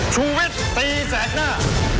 ชูวิทย์ตีแสกหน้า